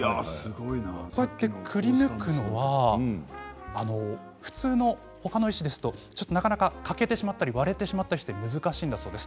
こうやって、くりぬくのはほかの石ですとなかなかかけてしまったり割れてしまったりして難しいんだそうです。